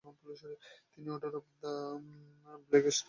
তিনি order of the black স্টারের officer নিযক্ত হন।